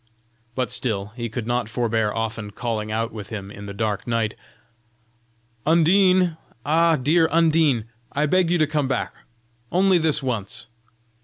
But still he could not forbear often calling out with him in the dark night: "Undine! Ah! dear Undine, I beg you to come back only this once!"